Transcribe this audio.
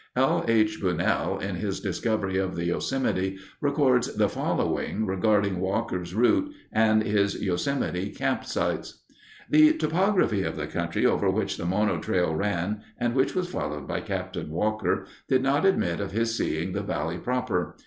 L. H. Bunnell in his Discovery of the Yosemite records the following regarding Walker's route and his Yosemite camp sites: The topography of the country over which the Mono Trail ran, and which was followed by Capt. Walker, did not admit of his seeing the valley proper.